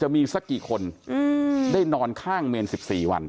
มีสักกี่คนได้นอนข้างเมน๑๔วัน